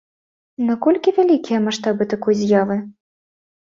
Наколькі вялікія маштабы такой з'явы?